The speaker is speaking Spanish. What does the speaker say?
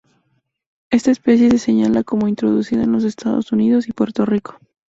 Esta especie se señala como introducida en los Estados Unidos y Puerto Rico